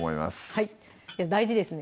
はい大事ですね